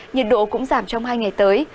nhiệt độ cũng giảm trong hai ngày tới